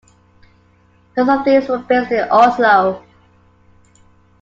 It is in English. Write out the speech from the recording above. Most of these were based in Oslo.